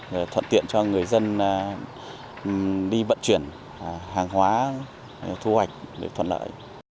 để thuận tiện cho người dân đi vận chuyển hàng hóa thu hoạch để thuận lợi